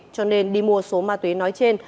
cho nên đi mua số ma túy nói trên